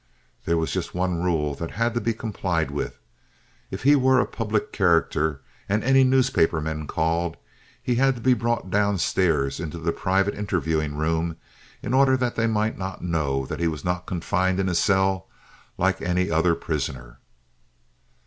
There was just one rule that had to be complied with. If he were a public character, and any newspaper men called, he had to be brought down stairs into the private interviewing room in order that they might not know that he was not confined in a cell like any other prisoner.